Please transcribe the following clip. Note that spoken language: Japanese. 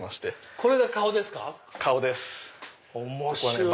これが顔ですか？